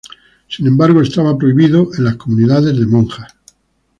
Sin embargo estaba prohibido en las comunidades de monjas.